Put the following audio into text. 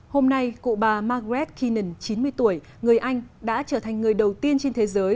hôm nay cụ bà margaret kenan chín mươi tuổi người anh đã trở thành người đầu tiên trên thế giới